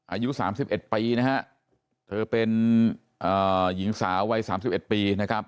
อายุ๓๑ปีนะฮะเธอเป็นหญิงสาววัย๓๑ปีนะครับ